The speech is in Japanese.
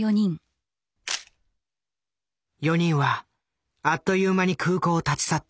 ４人はあっという間に空港を立ち去った。